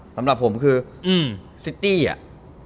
สำหรับผมคือซิตี้อะ